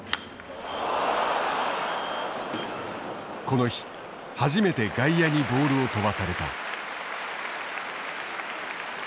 この日初めて外野にボールを飛ばされた。